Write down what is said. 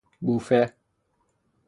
بوفه